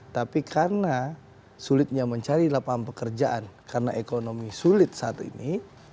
tapi karena sulitnya mencari lapangan pekerjaan karena ekonomi sulit saat ini